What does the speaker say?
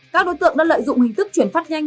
các đối tượng đã lợi dụng hình thức chuyển phát nhanh